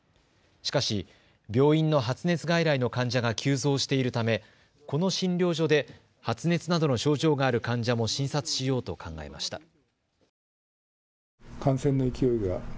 しかし病院の発熱外来の患者が急増しているためこの診療所で発熱などの症状がある患者も診察しようと考えました。